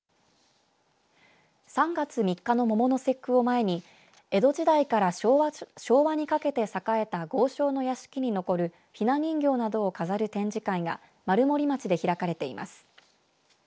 ３月３日の桃の節句を前に江戸時代から昭和にかけて栄えた豪商の屋敷に残るひな人形などを飾る展示会が丸森町で開かれています。